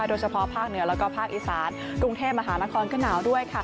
โดยเฉพาะภาคเหนือแล้วก็ภาคอีสานกรุงเทพมหานครก็หนาวด้วย